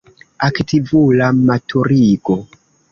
Aktivula maturigo.